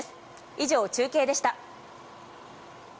以上、中継でした。